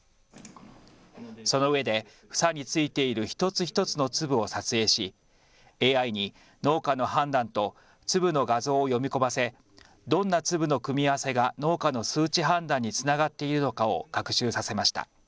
そのうえで房についている一つ一つの粒を撮影し、ＡＩに農家の判断と粒の画像を読み込ませどんな粒の組み合わせが農家の数値判断につながっているのかを学習させました。